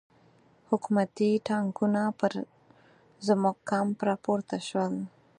حکومتي ټانګونه پر زموږ کمپ را پورته شول.